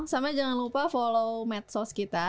sampai jangan lupa follow medsos kita